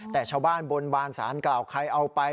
แต่ชาวบ้านบนบานสารกล่าวใครเอาไป